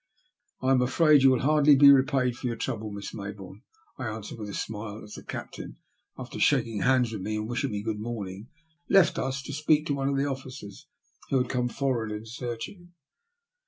^'I'm afraid yon will hardly be repaid for your trouble, Miss Mayboume," I answered with a smile, as the captain, after shaking hands with me and wishing me good morning, left us to speak to one of the officers who had come forrard in search of him.